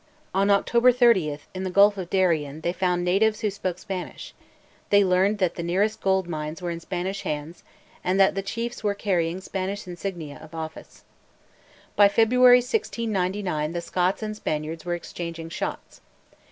On October 30, in the Gulf of Darien they found natives who spoke Spanish; they learned that the nearest gold mines were in Spanish hands, and that the chiefs were carrying Spanish insignia of office. By February 1699 the Scots and Spaniards were exchanging shots.